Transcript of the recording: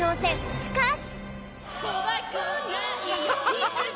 しかし！